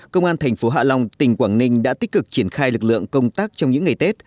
công an thành phố hạ long tỉnh quảng ninh đã tích cực triển khai lực lượng công tác trong những ngày tết